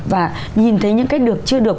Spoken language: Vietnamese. và nhìn thấy những cái được chưa được